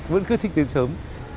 vẫn cứ thích đến sớm